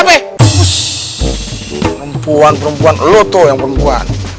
perempuan perempuan lo tuh yang perempuan